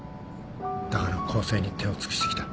だから更生に手を尽くしてきた。